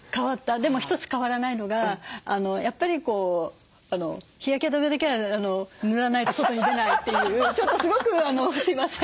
でも一つ変わらないのがやっぱり日焼け止めだけは塗らないと外に出ないっていうちょっとすごくすいません。